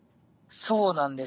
そうなんです。